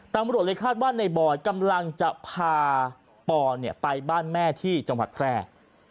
ตัวบริการบ้านในบอยกำลังจะพาปอล์ไปบ้านแม่ที่จังหวัดแพร่